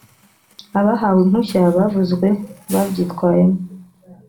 abahawe impushya bavuzwe babyitwayemo